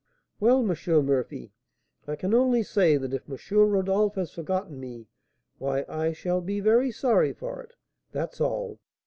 'Well, M. Murphy, I can only say that if M. Rodolph has forgotten me, why I shall be very sorry for it, that's all.'